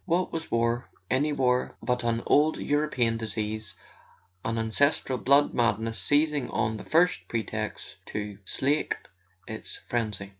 What was war—any war—but an old European disease, an ancestral blood madness seizing on the first pretext to slake its frenzy?